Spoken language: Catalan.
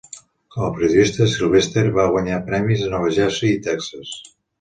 Com a periodista, Sylvester va guanyar premis a Nova Jersey i Texas.